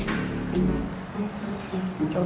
kita tunggu aja paling